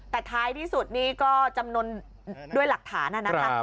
แต่ท้ายที่สุดนี่ก็จำนวนด้วยหลักฐานนะคะ